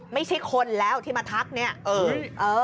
ไม่ใช่คนแล้วที่มาทักเนี่ย